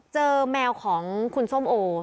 แมวของคุณส้มโอ